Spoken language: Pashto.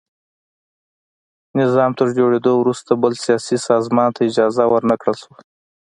نظام تر جوړېدو وروسته بل سیاسي سازمان ته اجازه ور نه کړل شوه.